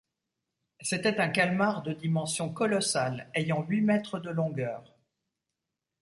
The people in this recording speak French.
C’était un calmar de dimensions colossales, ayant huit mètres de longueur.